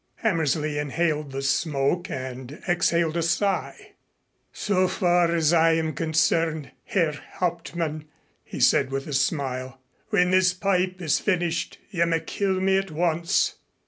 Hammersley inhaled the smoke and exhaled a sigh. "So far as I am concerned, Herr Hauptmann," he said with a smile, "when this pipe is finished you may kill me at once."